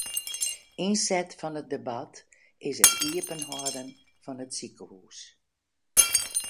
Ynset fan it debat is it iepenhâlden fan it sikehús.